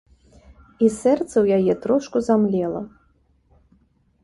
І сэрца ў яе трошку замлела.